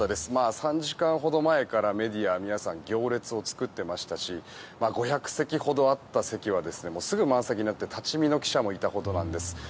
３時間ほど前からメディアの皆さんは行列を作ってましたし５００席ほどあった席はすぐ満席になって立ち見の記者もいたほどなんです。